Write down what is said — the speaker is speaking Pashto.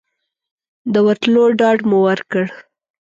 د ورتلو ډاډ مو ورکړ.